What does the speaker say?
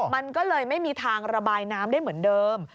มันก็เลยไม่มีทางระบายน้ำได้เหมือนเดิม